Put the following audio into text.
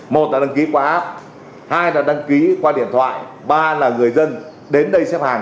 một là đăng ký qua app hai là đăng ký qua điện thoại ba là người dân đến đây xếp hàng